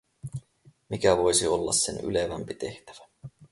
Mikä voisi olla sen ylevämpi tehtävä?